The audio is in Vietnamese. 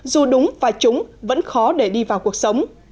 dù đúng và chúng vẫn khó để đi vào cuộc sống